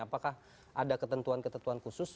apakah ada ketentuan ketentuan khusus